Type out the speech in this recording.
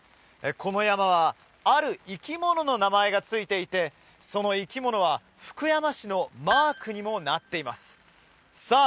この山はある生き物の名前が付いていてその生き物は福山市のマークにもなっていますさあ